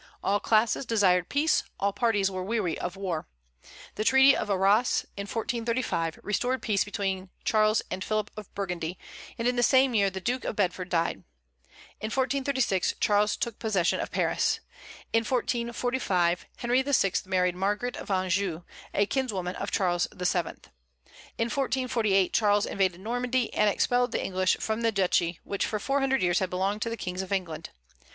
All classes desired peace; all parties were weary of war. The Treaty of Arras, in 1435, restored peace between Charles and Philip of Burgundy; and in the same year the Duke of Bedford died. In 1436 Charles took possession of Paris. In 1445 Henry VI. married Margaret of Anjou, a kinswoman of Charles VII. In 1448 Charles invaded Normandy, and expelled the English from the duchy which for four hundred years had belonged to the kings of England.